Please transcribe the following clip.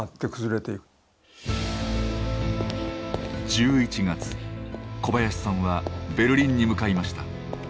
１１月小林さんはベルリンに向かいました。